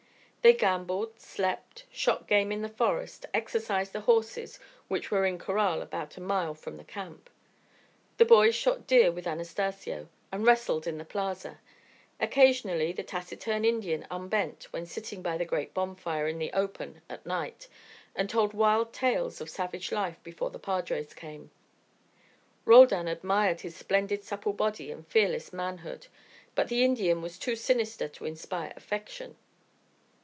They gambled, slept, shot game in the forest, exercised the horses, which were in corral about a mile from the camp. The boys shot deer with Anastacio, and wrestled in the plaza. Occasionally the taciturn Indian unbent when sitting by the great bonfire in the open at night, and told wild tales of savage life before the padres came. Roldan admired his splendid supple body and fearless manhood, but the Indian was too sinister to inspire affection.